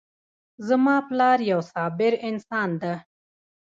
زما پلار یو صابر انسان ده